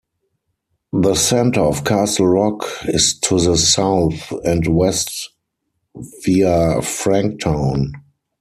The center of Castle Rock is to the south and west via Franktown.